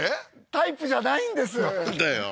タイプじゃないんですなんだよ